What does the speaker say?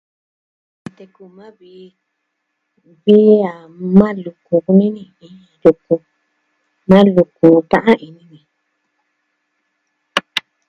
Teku maa vii vi a maa lukun kunini. Lukun. Maa lukun ta'an ini ni.